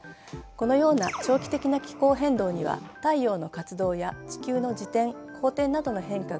このような長期的な気候変動には太陽の活動や地球の自転・公転などの変化が深く関係しています。